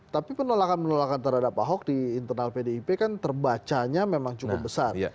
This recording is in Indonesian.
tapi penolakan penolakan terhadap ahok di internal pdip kan terbacanya memang cukup besar